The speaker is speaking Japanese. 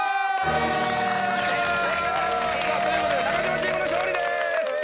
イェーイ！ということで中島チームの勝利です！